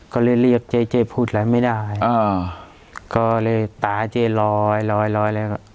ก็เลยเรียกเจ๊เจ๊พูดอะไรไม่ได้อ่าก็เลยตาเจ๊ลอยลอยลอยแล้วก็